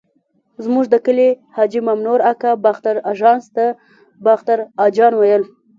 زموږ د کلي حاجي مامنور اکا باختر اژانس ته باختر اجان ویل.